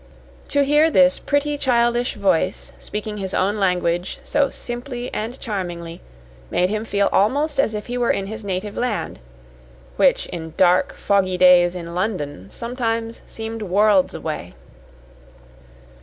To hear this pretty childish voice speaking his own language so simply and charmingly made him feel almost as if he were in his native land which in dark, foggy days in London sometimes seemed worlds away.